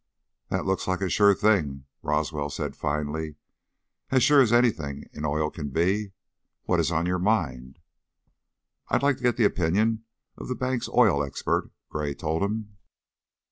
"That looks like a sure thing," Roswell said, finally. "As sure as anything in oil can be. What is on your mind?" "I'd like to get the opinion of the bank's oil expert," Gray told him.